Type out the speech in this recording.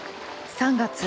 ３月。